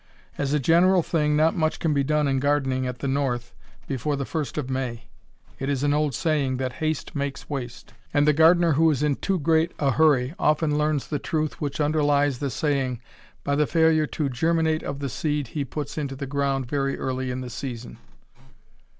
As a general thing not much can be done in gardening at the North before the first of May. It is an old saying that "haste makes waste," and the gardener who is in too great a hurry often learns the truth which underlies the saying by the failure to germinate of the seed he puts into the ground very early in the season.